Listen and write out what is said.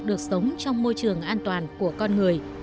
được sống trong môi trường an toàn của con người